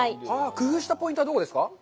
工夫したポイントはどこですか。